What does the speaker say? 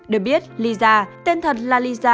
được biết lisa tên thật là lisa